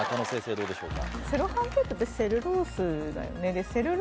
どうでしょうか？